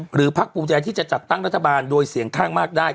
หรือพลักษณ์ปูแจที่จะจัดปั้งรัฐบาลโดยเสียงข้างมากได้